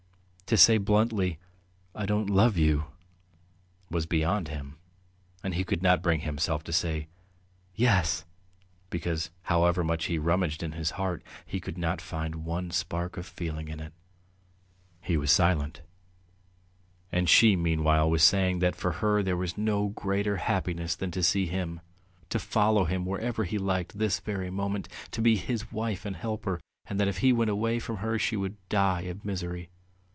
To say bluntly, "I don't love you," was beyond him, and he could not bring himself to say "Yes," because however much he rummaged in his heart he could not find one spark of feeling in it. ... He was silent, and she meanwhile was saying that for her there was no greater happiness than to see him, to follow him wherever he liked this very moment, to be his wife and helper, and that if he went away from her she would die of misery.